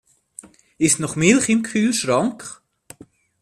Ist noch Milch im Kühlschrank?